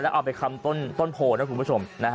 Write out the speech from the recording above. เอาไปคำต้นโพลนะคุณผู้ชม